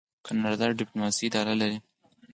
کاناډا د ډیپلوماسۍ اداره لري.